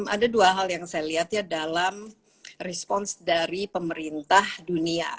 ada dua hal yang saya lihat ya dalam respons dari pemerintah dunia